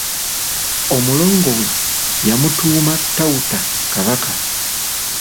Omulongo we yamutuuma Tawutta kabaka.